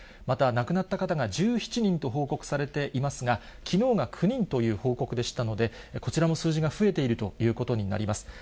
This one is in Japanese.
また、亡くなった方が１７人と報告されていますが、きのうが９人という報告でしたので、こちらも数字が増えているということになります。